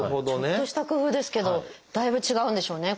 ちょっとした工夫ですけどだいぶ違うんでしょうね